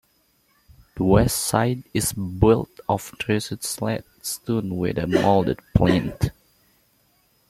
The west side is built of dressed slate stone with a moulded plinth.